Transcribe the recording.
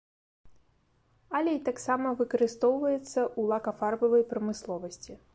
Алей таксама выкарыстоўваецца ў лакафарбавай прамысловасці.